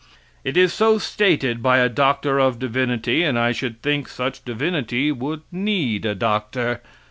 It is so stated by a doctor of divinity, and I should think such divinity would need a doctor!